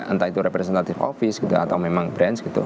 entah itu representative office gitu atau memang branch gitu